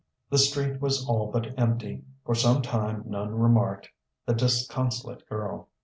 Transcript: The street was all but empty. For some time none remarked the disconsolate girl.